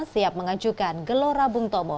siap mengajukan gelora bung tomo